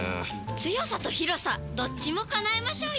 強さと広さどっちも叶えましょうよ！